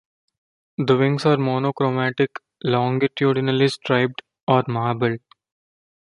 The wings are monochromatic, longitudinally striped or marbled.